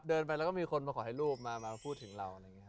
เดินไปแล้วมีคนมาขอถ่ายรูปมาแล้วพูดถึงเรา